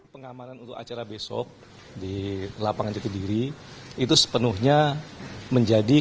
pengamanan untuk acara besok di lapangan jatidiri itu sepenuhnya menjadi